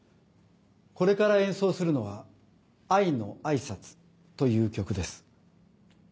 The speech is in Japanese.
これから演奏するのは『愛の挨拶』という曲です。